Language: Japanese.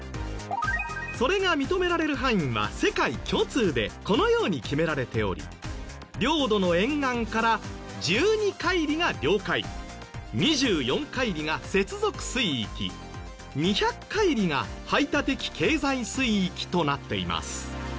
それが認められる範囲は世界共通でこのように決められており領土の沿岸から１２海里が領海２４海里が接続水域２００海里が排他的経済水域となっています。